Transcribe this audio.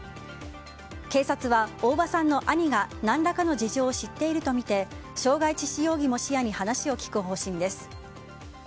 警察は大場さんの兄が何らかの事情を知っているとみて傷害致死容疑も視野に話を聞く方針です。